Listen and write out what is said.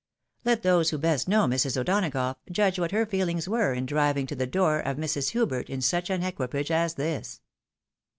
Let those who best know Mrs. O'Donagough, judge what her feelings were in driving to the door of Mrs. Hubert in such an equipage as this.